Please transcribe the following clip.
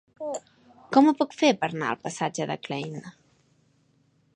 Com ho puc fer per anar al passatge de Klein?